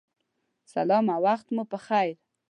سلام او وخت مو پخیر